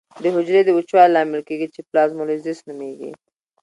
د حجرې د وچوالي لامل کیږي چې پلازمولیزس نومېږي.